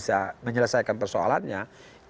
kita mengingatkan kepada pak rawi